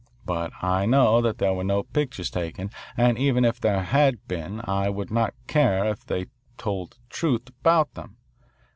But I know that there were no pictures taken, and even if there had been I would not care if they told the truth about them.